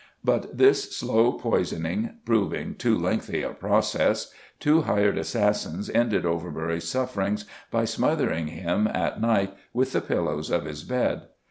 But this slow poisoning proving too lengthy a process, two hired assassins ended Overbury's sufferings by smothering him, at night, with the pillows of his bed.